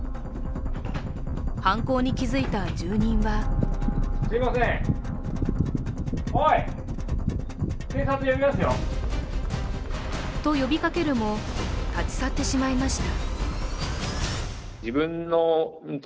犯行に気づいた住人はと呼びかけるも、立ち去ってしまいました。